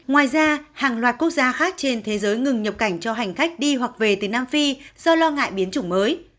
ngoài ra hàng loạt quốc gia khác trên thế giới ngừng nhập cảnh cho hành khách đi hoặc về từ nam phi do lo ngại biến chủng mới